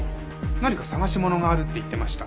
何か探し物があるって言ってました。